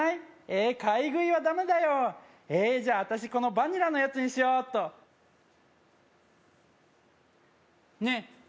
えっ買い食いはダメだよえっじゃあ私このバニラのやつにしよっとねえ